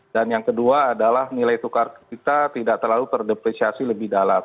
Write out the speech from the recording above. yang kedua adalah nilai tukar kita tidak terlalu terdepresiasi lebih dalam